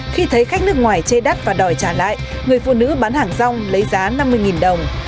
khi thấy khách nước ngoài chê đắt và đòi trả lại người phụ nữ bán hàng rong lấy giá năm mươi đồng